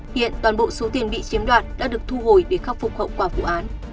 hiện toàn bộ số tiền bị chiếm đoạt đã được thu hồi để khắc phục hậu quả vụ án